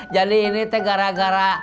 jadi ini gara gara